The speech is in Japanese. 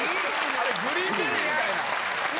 ・あれグリーンベレーみたいや。